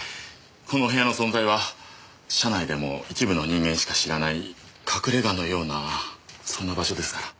この部屋の存在は社内でも一部の人間しか知らない隠れ家のようなそんな場所ですから。